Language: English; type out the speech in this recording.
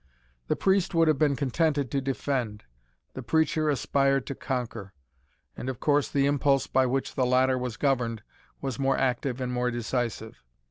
The priest would have been contented to defend, the preacher aspired to conquer; and, of course, the impulse by which the latter was governed, was more active and more decisive.